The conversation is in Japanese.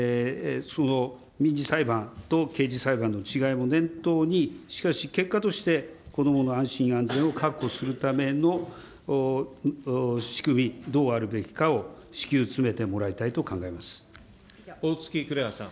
民事裁判と刑事裁判の違いも念頭に、しかし、結果として、子どもの安心・安全を確保するための仕組み、どうあるべきかを至急、おおつき紅葉さん。